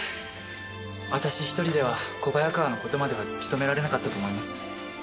私一人では小早川の事までは突き止められなかったと思います。